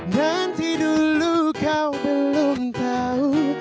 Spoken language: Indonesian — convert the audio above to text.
nanti dulu kau belum tahu